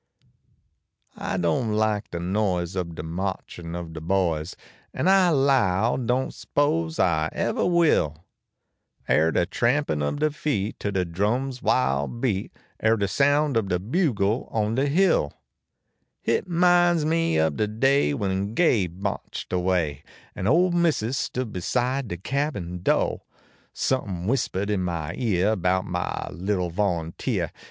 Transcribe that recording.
I do;m like de noise oh dt marchin ob de boys. An I low doan s pose I evah will ; Kr de tnunpin ob de feel to de drum s wild beat, Kr de sound ob de bugle on de bill. Hit minds me ob de day when Gabe marched away KM ole missus stood beside de cabin do ; Somepin whispahed in my ear bout my little volunteer.